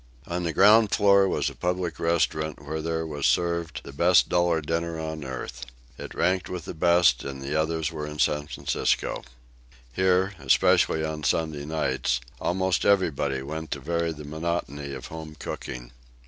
On the ground floor was a public restaurant where there was served the best dollar dinner on earth. It ranked with the best and the others were in San Francisco. Here, especially on Sunday night, almost everybody went to vary the monotony of home cooking.